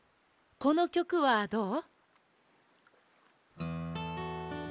このきょくはどう？